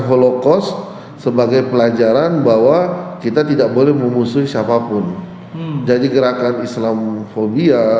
holocos sebagai pelajaran bahwa kita tidak boleh memusuhi siapapun jadi gerakan islam fobia